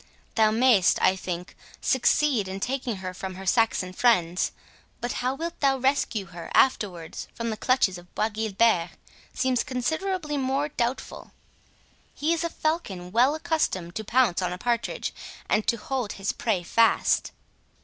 Thou mayst, I think, succeed in taking her from her Saxon friends, but how thou wilt rescue her afterwards from the clutches of Bois Guilbert seems considerably more doubtful—He is a falcon well accustomed to pounce on a partridge, and to hold his prey fast."